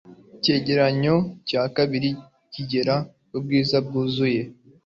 icyegeranyo cya kabiri kigera kubwiza bwuzuye